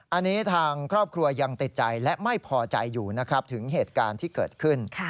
อันนี้ทางครอบครัวยังติดใจและไม่พอใจอยู่นะครับถึงเหตุการณ์ที่เกิดขึ้น